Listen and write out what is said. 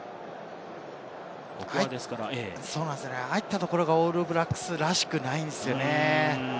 ああいったところがオールブラックスらしくないんですよね。